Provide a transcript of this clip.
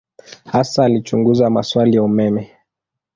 Hasa alichunguza maswali ya umeme.